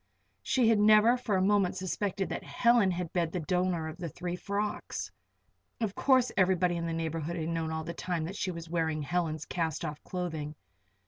She had never for a moment suspected that Helen had been the donor of the three frocks. Of course everybody in the neighborhood had known all the time that she was wearing Helen's cast off clothing.